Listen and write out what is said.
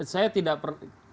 saya tidak pernah